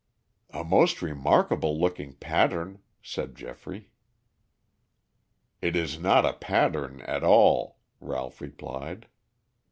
"A most remarkable looking pattern," said Geoffrey. "It is not a pattern at all," Ralph replied.